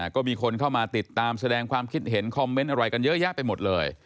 ก็มีคนเข้ามาติดตามแสดงความคิดเห็นคอมเมนต์อะไรกันเยอะแยะไปหมดเลย